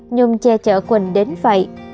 nhung che chở quỳnh đến vậy